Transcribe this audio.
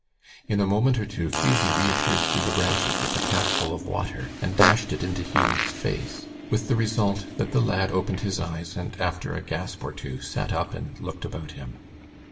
In a moment or two Fusie reappeared through the branches with a capful of water, and dashed it into Hughie's face, with the result that the lad opened his eyes, and after a gasp or two, sat up and looked about him.